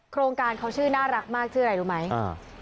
โครงการเขาชื่อน่ารักมากชื่ออะไรรู้ไหมอ่า